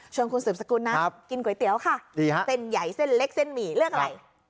คุณสืบสกุลนะกินก๋วยเตี๋ยวค่ะดีฮะเส้นใหญ่เส้นเล็กเส้นหมี่เลือกอะไร